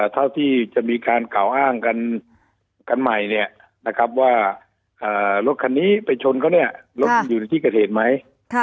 เท่าที่จะมีการกล่าวอ้างกันใหม่ว่ารถคันนี้ไปชนเขาเนี่ยรถมันอยู่ในที่เกิดเหตุไหม